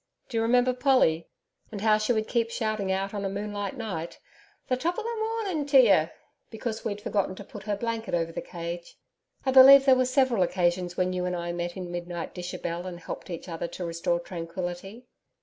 Do you remember Polly? and how she would keep shouting out on a moonlight night 'The top of the mornin' to ye' because we'd forgotten to put her blanket over the cage I believe there were several occasions when you and I met in midnight dishabille and helped each other to restore tranquillity.